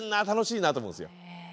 楽しいな！と思うんですよ。